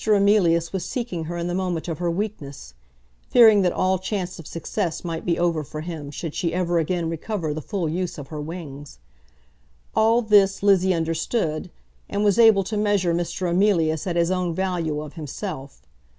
Emilius was seeking her in the moment of her weakness, fearing that all chance of success might be over for him should she ever again recover the full use of her wings. All this Lizzie understood, and was able to measure Mr. Emilius at his own value of himself.